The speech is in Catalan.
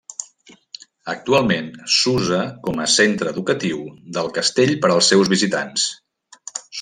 Actualment s'usa com a centre educatiu del castell per als seus visitants.